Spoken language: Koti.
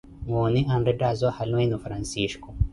Woone anrettaazo halu enu Francisco.